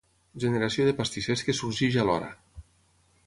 Generació de pastissers que sorgeix alhora.